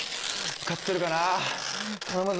・受かってるかな？